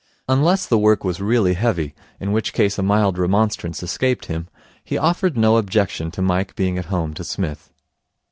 Unless the work was really heavy, in which case a mild remonstrance escaped him, he offered no objection to Mike being at home to Psmith.